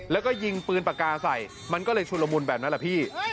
แล้วก็ยิงปืนปากกาใส่มันก็เลยชุลมุนแบบนั้นแหละพี่